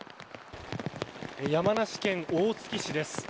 山梨県大月市です。